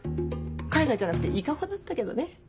海外じゃなくて伊香保だったけどね。